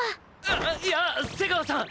あっいや瀬川さん